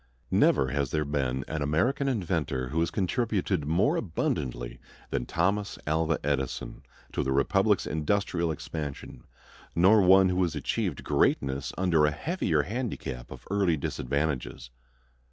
_] Never has there been an American inventor who has contributed more abundantly than Thomas Alva Edison to the republic's industrial expansion, nor one who has achieved greatness under a heavier handicap of early disadvantages.